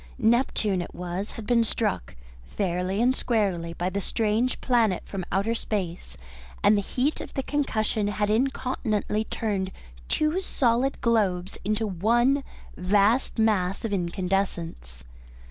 Neptune it was had been struck, fairly and squarely, by the strange planet from outer space, and the heat of the concussion had incontinently turned two solid globes into one vast mass of incandescence.